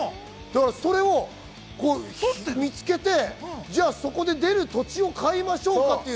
それを見つけて、そこで出る土地を買いましょうかっていう。